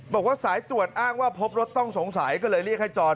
บอกว่าสายตรวจอ้างว่าพบรถต้องสงสัยก็เลยเรียกให้จอด